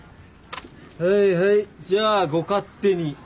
はいはいじゃあご勝手に。